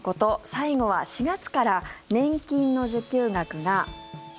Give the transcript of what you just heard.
最後は４月から年金の受給額が。